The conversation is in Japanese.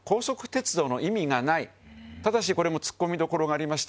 燭世これも突っ込みどころがありまして。